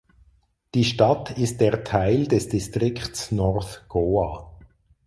Die Stadt ist der Teil des Distrikts North Goa.